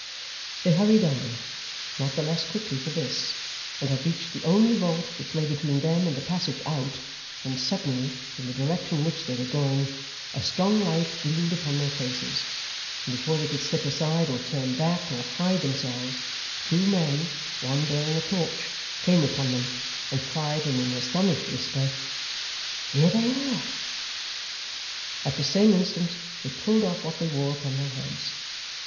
They hurried on, not the less quickly for this; and had reached the only vault which lay between them and the passage out, when suddenly, from the direction in which they were going, a strong light gleamed upon their faces; and before they could slip aside, or turn back, or hide themselves, two men (one bearing a torch) came upon them, and cried in an astonished whisper, 'Here they are!' At the same instant they pulled off what they wore upon their heads.